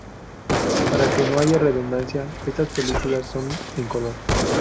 Para que no haya redundancia, estas películas son en color.